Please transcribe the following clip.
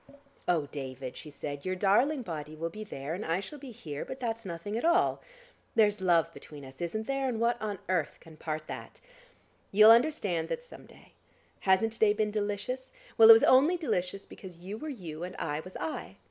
"Oh, David," she said, "your darling body will be there, and I shall be here, but that's nothing at all. There's love between us, isn't there, and what on earth can part that? You'll understand that some day. Hasn't to day been delicious? Well, it was only delicious because you were you and I was I.